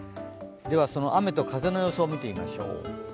その雨と風の予想を見てみましょう。